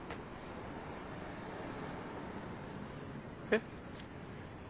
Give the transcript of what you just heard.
えっ？